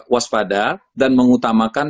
waspada dan mengutamakan